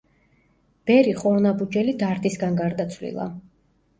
ბერი ხორნაბუჯელი დარდისგან გარდაცვლილა.